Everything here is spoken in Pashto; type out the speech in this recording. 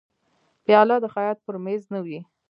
پیاله د خیاط پر مېز نه وي.